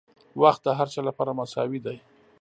• وخت د هر چا لپاره مساوي دی.